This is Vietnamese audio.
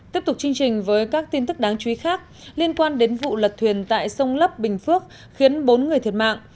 tiếp tục chương trình với các tin tức đáng chú ý khác liên quan đến vụ lật thuyền tại sông lấp bình phước khiến bốn người thiệt mạng